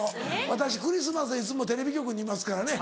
私クリスマスいつもテレビ局にいますからね。